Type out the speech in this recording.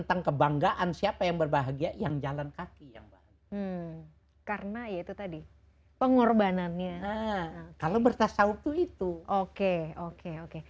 pak gaya yang jalan kaki karena itu tadi pengorbanannya kalau bertasawuf itu oke oke oke